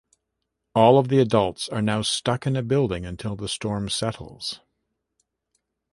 All of the adults are now stuck in a building until the storm settles.